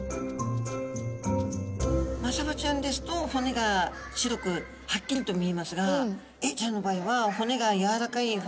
マサバちゃんですと骨が白くはっきりと見えますがエイちゃんの場合は骨があっ！